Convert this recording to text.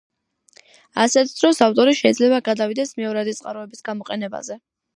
ასეთ დროს ავტორი შეიძლება გადავიდეს მეორადი წყაროების გამოყენებაზე.